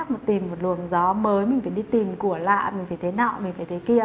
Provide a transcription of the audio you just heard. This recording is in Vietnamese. mình tìm một luồng gió mới mình phải đi tìm của lạ mình phải thế nào mình phải thế kia